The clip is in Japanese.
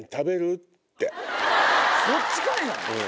そっちかいな！